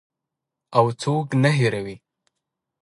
او هیڅوک نه هیروي.